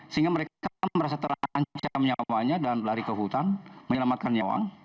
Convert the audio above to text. sehingga mereka merasa terancam nyawanya dan lari ke hutan menyelamatkan nyawa